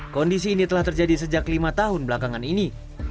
kondisi ini telah terjadi sejak lima tahun belakangan ini